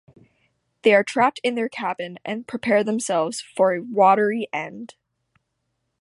They are trapped in their cabin and prepare themselves for a watery end.